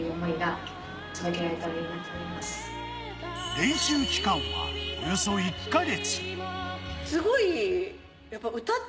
練習期間はおよそ１か月。